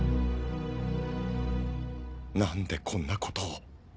なんでこんなことを？